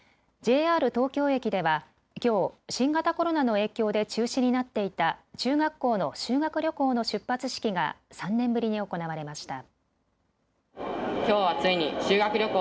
ＪＲ東京駅ではきょう新型コロナの影響で中止になっていた中学校の修学旅行の出発式が３年ぶりに行われました。